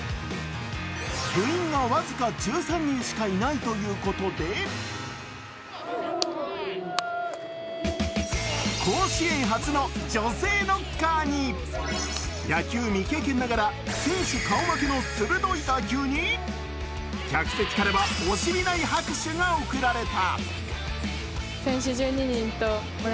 部員が僅か１３人しかいないということで甲子園初の女性ノッカーに野球未経験ながら選手顔負けの鋭い打球に客席からは惜しみない拍手が送られた。